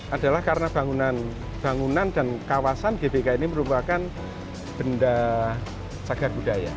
adalah karena bangunan dan kawasan gbk ini merupakan benda cagar budaya